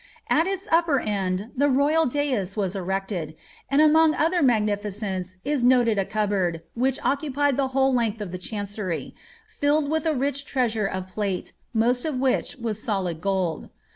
At its upper end the royal dais was erected, and among other magnificence is noted a cupboard, which occupied the whole length of the chancery, filled with a rich treasure of plate, ma«t of which was solid gold.